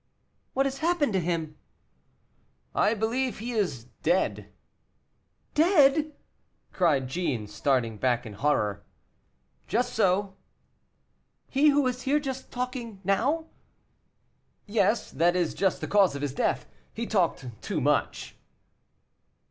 "What has happened to him?" "I believe he is dead." "Dead!" cried Jeanne, starting back in horror. "Just so." "He who was here just now talking " "Yes, that is just the cause of his death; he talked too much."